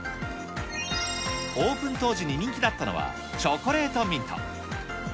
オープン当時に人気だったのは、チョコレートミント。